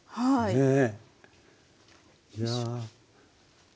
ねえ。